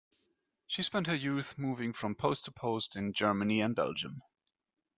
She spent her youth moving from post to post in Germany and Belgium.